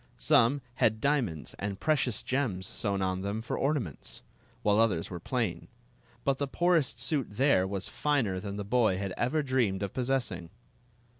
Some had diamonds 82 Queen Zixi of Ix; or, the and precious gems sewn on them for ornaments, while others were plain ; but the poorest suit there was finer than the boy had ever dreamed of possessing.